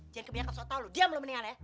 jangan kebanyakan sotau lo diem lo mendingan ya